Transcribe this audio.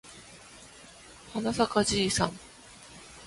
はなさかじいさん